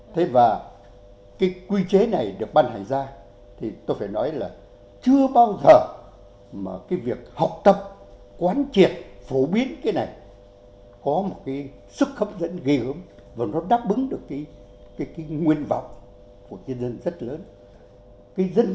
thế và cái quy chế này được ban hành ra thì tôi phải nói là chưa bao giờ mà cái việc học tập quán triệt phổ biến cái này có một cái sức hấp dẫn ghi gấm và nó đáp ứng được cái nguyên vọng của nhân dân rất lớn